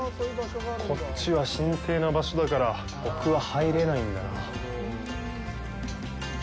こっちは神聖な場所だから僕は入れないんだな。